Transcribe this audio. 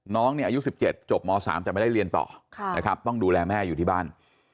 น้องอายุ๑๗จบม๓แต่ไม่ได้เรียนต่อต้องดูแลแม่อยู่ที่บ้าน